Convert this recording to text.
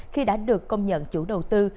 khi đã được công nhận chủ đầu tư